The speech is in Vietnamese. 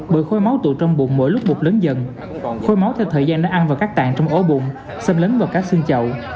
bởi khôi máu tụ trong bụng mỗi lúc bụt lớn dần khôi máu theo thời gian đã ăn vào các tạng trong ổ bụng xâm lấn vào các xương chậu